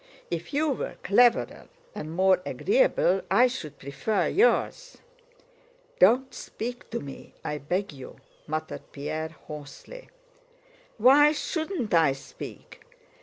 If you were cleverer and more agreeable, I should prefer yours." "Don't speak to me... I beg you," muttered Pierre hoarsely. "Why shouldn't I speak?